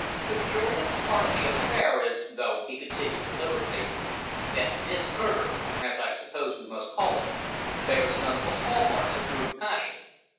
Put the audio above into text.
"The curious part of the affair is, though," he continued deliberately, "that this murder, as I suppose we must call it, bears none of the hall marks of rude passion.